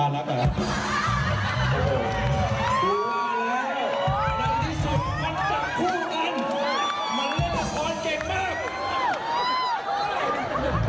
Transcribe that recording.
บันไดที่สุดมันจะคู่กัน